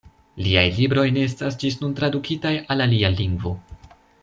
Liaj libroj ne estas ĝis nun tradukitaj al alia lingvo.